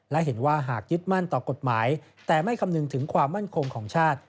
และเห็นว่าหากยึดมั่นต่อกฎหมายแต่ไม่คำนึงถึงความมั่นคงของชาติ